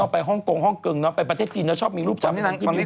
เขาอยู่นั่นนะไปเล่นหนังยิบมือดี